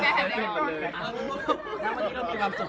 แล้ววันนี้เรามีความสุขแทนไหน